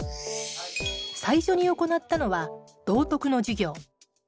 最初に行ったのは道徳の授業。